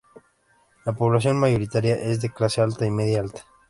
La población mayoritaria es de clase alta y media alta.